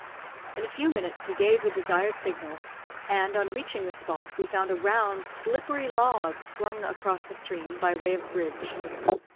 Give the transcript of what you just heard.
In a few minutes he gave the desired signal, and on reaching the spot, we found a round, slippery log flung across the stream by way of bridge.